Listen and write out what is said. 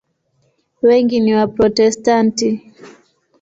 Wengi ni Waprotestanti.